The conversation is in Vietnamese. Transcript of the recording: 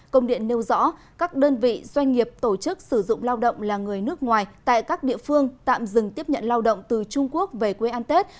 công điện nêu rõ các đơn vị doanh nghiệp tổ chức sử dụng lao động là người nước ngoài tại các địa phương tạm dừng tiếp nhận lao động từ trung quốc về quê an tết